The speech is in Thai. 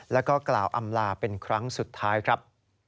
แล้วก็กล่าวอำลาเป็นครั้งสุดท้ายครับ